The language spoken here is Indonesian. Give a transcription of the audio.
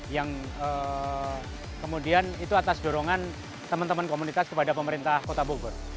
yang kemudian itu atas dorongan teman teman komunitas kepada pemerintah kota bogor